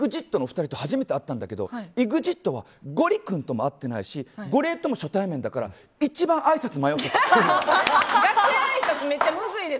この前、ＥＸＩＴのお二人と初めて会ったんだけどＥＸＩＴはゴリ君とも会ってないしゴリエとも初対面だから一番あいさつ迷ってた。